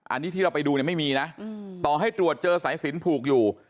อันนี้ที่เราไปดูเนี่ยไม่มีนะต่อให้ตรวจเจอสายสินผูกอยู่